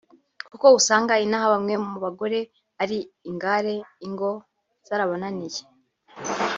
kuko usanga inaha bamwe mu bagore ari ingare ingo zarabananiye